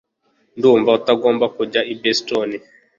Ndumva utagomba kujya i Boston